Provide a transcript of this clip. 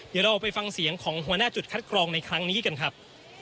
เดี๋ยวเราไปฟังเสียงของหัวหน้าจุดคัดกรองในครั้งนี้กันครับ